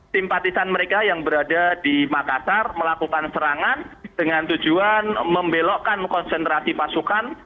simpatisan mereka yang berada di makassar melakukan serangan dengan tujuan membelokkan konsentrasi pasukan